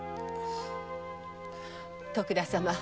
徳田様。